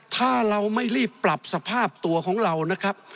ถ้าเราไม่รีบปรับสภาพตัวของเรานะครับ